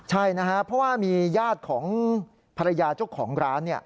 ใช่นะครับเพราะว่ามีญาติของภรรยาเจ้าของร้าน